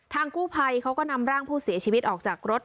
กู้ภัยเขาก็นำร่างผู้เสียชีวิตออกจากรถ